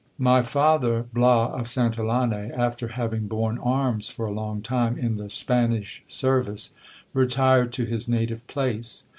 My father, Bias of Santillane, after having borne arms for a long time in the Spanish service, retired to his native place.